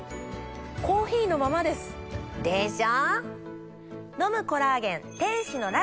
コーヒーのままです。でしょ？